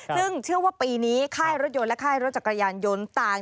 ซึ่งเชื่อว่าปีนี้ค่ายรถยนต์และค่ายรถจักรยานยนต์ต่าง